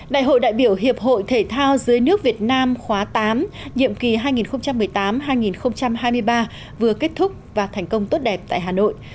đại hội đại biểu hiệp hội thể thao dưới nước việt nam khóa tám nhiệm kỳ hai nghìn một mươi tám hai nghìn hai mươi ba vừa kết thúc và thành công tốt đẹp tại hà nội